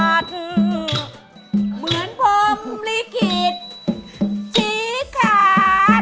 อะไรมั้ยครับ